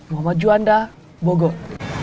muhammad juanda bogor